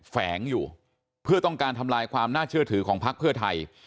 แฝงอยู่เพื่อต้องการทำลายความน่าเชื่อถือของพักเพื่อไทย